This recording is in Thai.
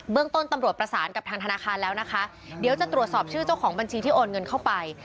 ต้นตำรวจประสานกับทางธนาคารแล้วนะคะเดี๋ยวจะตรวจสอบชื่อเจ้าของบัญชีที่โอนเงินเข้าไป